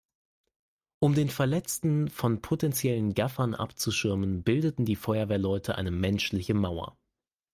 Um den Verletzten von potenziellen Gaffern abzuschirmen, bildeten die Feuerwehrleute eine menschliche Mauer.